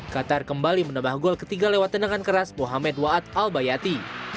qatar kembali menambah gol ketiga lewat tenangan keras mohamed waad al bayati